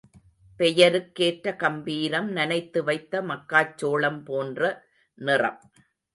பெயருக்கேற்ற கம்பீரம், நனைத்து வைத்த மக்காச்சோளம் போன்ற நிறம்.